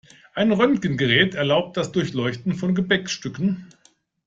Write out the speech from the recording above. Ein Röntgengerät erlaubt das Durchleuchten von Gepäckstücken.